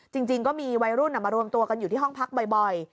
จริงก็มีวัยรุ่นมารวมตัวกันอยู่ที่ห้องพักบ่อย